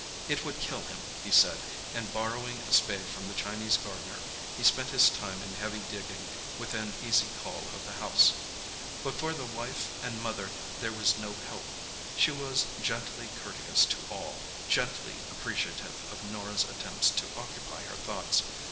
It would kill him, he said, and, borrowing a spade from the Chinese gardener, he spent his time in heavy digging, within easy call of the house. But for the wife and mother there was no help. She was gently courteous to all, gently appreciative of Norah's attempts to occupy her thoughts.